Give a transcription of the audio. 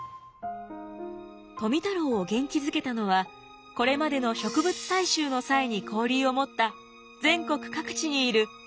富太郎を元気づけたのはこれまでの植物採集の際に交流を持った全国各地にいる植物愛好家たち。